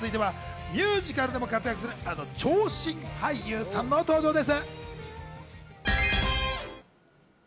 ミュージカルでも活躍するあの長身俳優さんの登場です。